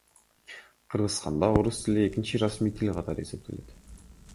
Кыргызстанда орус тили экинчи расмий тил катары эсептелет.